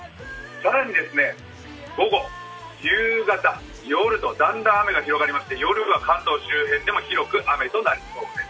更に午後、夕方、夜とだんだん雨が広がりまして、夜は関東周辺でも広く雨となりそうです。